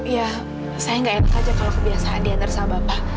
ya saya nggak enak aja kalau kebiasaan dianner sama bapak